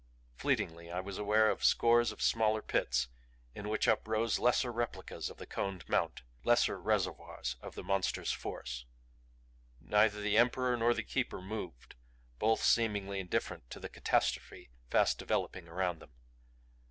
Fleetingly I was aware of scores of smaller pits in which uprose lesser replicas of the Coned Mount, lesser reservoirs of the Monster's force. Neither the Emperor nor the Keeper moved, both seemingly indifferent to the catastrophe fast developing around them.